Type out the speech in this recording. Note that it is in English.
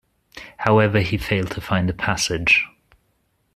However, he failed to find a passage.